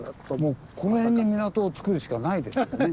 この辺に港をつくるしかないですよね。